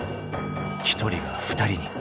［１人が２人に］